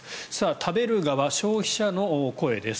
食べる側、消費者の声です。